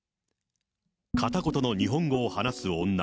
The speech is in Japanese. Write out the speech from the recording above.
片言の日本語を話す女。